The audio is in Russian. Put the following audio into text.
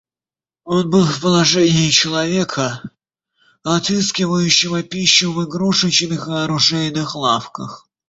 Он был в положении человека, отыскивающего пищу в игрушечных и оружейных лавках.